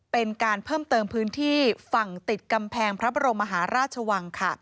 เป็นการเพิ่มเติมพื้นที่ฝั่งติดกำแพงพระบรมมหาราชวัง